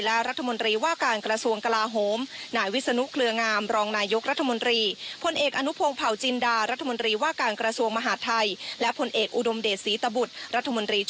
เพียสเช่นผลเอกประวิจ